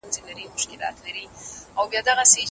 کمپيوټر هوا پاکوي.